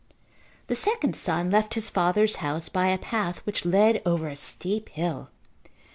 The second son left his father's house by a path which led over a steep hill.